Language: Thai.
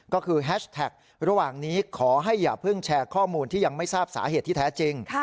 ก็คือแฮชแท็กระหว่างนี้ขอให้อย่าเพิ่งแชร์ข้อมูลที่ยังไม่ทราบสาเหตุที่แท้จริง